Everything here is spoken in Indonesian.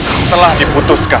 aku telah diputuskan